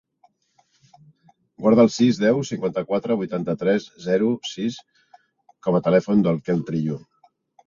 Guarda el sis, deu, cinquanta-quatre, vuitanta-tres, zero, sis com a telèfon del Quel Trillo.